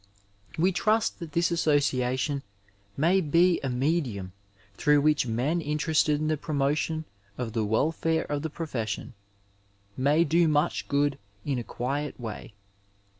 We trust that this Association may be a medium through which men interested in the promotion of the welfare of the profession inay do much good in a quiet way.